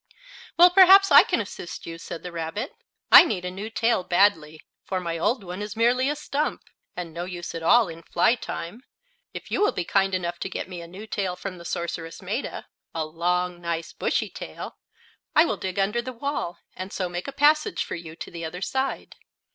"Well, perhaps I can assist you," said the rabbit. "I need a new tail badly, for my old one is merely a stump, and no use at all in fly time. If you will be kind enough to get me a new tail from the sorceress Maetta a long, nice, bushy tail I will dig under the wall, and so make a passage for you to the other side."